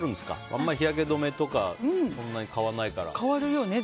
あんまり日焼け止めとかそんなに買わないから。